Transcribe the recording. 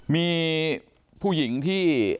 มีผู้หญิงที่